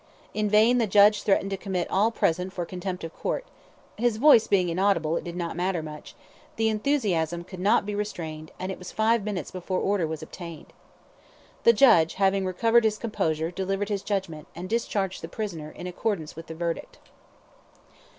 In vain the judge threatened to commit all present for contempt of court his voice being inaudible, it did not matter much the enthusiasm could not be restrained, and it was five minutes before order was obtained. The judge, having recovered his composure, delivered his judgment, and discharged the prisoner, in accordance with the verdict.